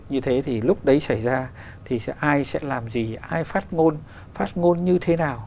như thế thì lúc đấy xảy ra thì ai sẽ làm gì ai phát ngôn phát ngôn như thế nào